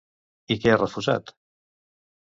I què ha refusat?